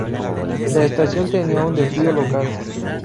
La estación tenía un desvío local.